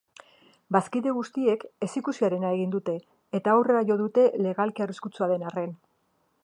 Bazkide guztiek ezikusiarena egin dute eta aurrera jo dute legalki arriskutsua den arren.